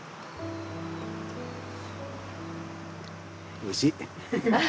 おいしい。